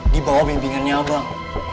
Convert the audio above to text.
di bawah pembimbingannya abang